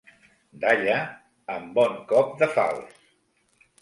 Dalla, amb bon cop de falç.